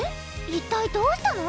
一体どうしたの？